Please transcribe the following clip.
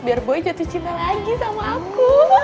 biar gue jatuh cinta lagi sama aku